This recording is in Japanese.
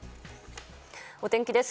お天気です。